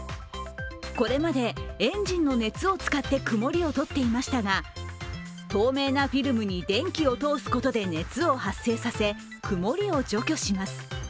これまでエンジンの熱を使って曇りをとっていましたが透明なフィルムに電気を通すことで熱を発生させ、曇りを除去します。